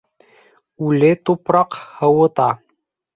Үле тупраҡ һыуыта.